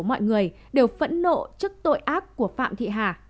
đa số mọi người đều phẫn nộ trước tội ác của phạm thị hà